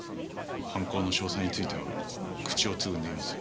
犯行の詳細については口をつぐんでいます。